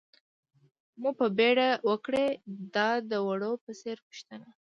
مو په بېړه وکړئ، دا د وړو په څېر پوښتنه.